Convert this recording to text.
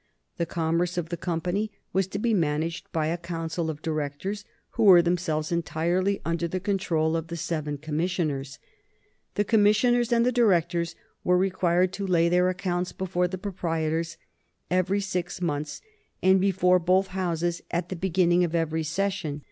The commerce of the Company was to be managed by a council of directors, who were themselves entirely under the control of the seven commissioners. The commissioners and the directors were required to lay their accounts before the proprietors every six months, and before both Houses at the beginning of every session.